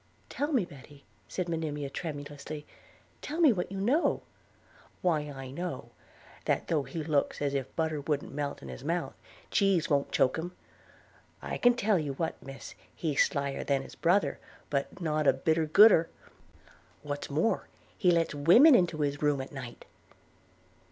'Tell me, Betty,' said Monimia tremulously, 'tell me what you know.' 'Why I know – that though he looks as if butter wouldn't melt in his mouth, cheese won't choke him. I can tell you what, Miss, he's slyer than his brother, but not a bitter gooder – What's more, he lets women into his room at night.'